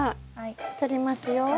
とりますよ。